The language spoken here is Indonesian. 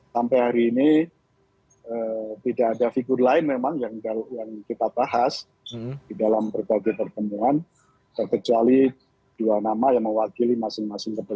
tetapi partai politik wadah kaderisasi tempat untuk melahirkan